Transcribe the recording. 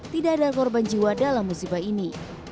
tidak ada korban jiwa dalam musibah ini